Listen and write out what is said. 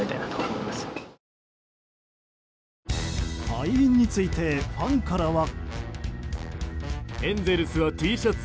敗因についてファンからは。